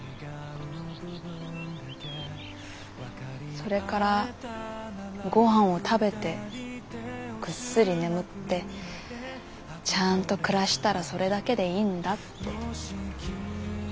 それからごはんを食べてぐっすり眠ってちゃんと暮らしたらそれだけでいいんだって。